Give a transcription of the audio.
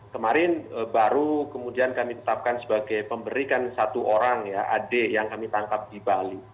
kemarin baru kemudian kami tetapkan sebagai pemberi kan satu orang ya adik yang kami tangkap di bali